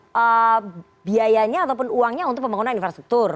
untuk biayanya ataupun uangnya untuk pembangunan infrastruktur